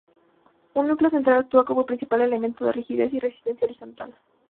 Un núcleo central actúa como principal elemento de rigidez y resistencia horizontal.